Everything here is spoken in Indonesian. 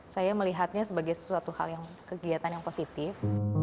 saya melihatnya sebagai sesuatu hal yang kegiatan yang positif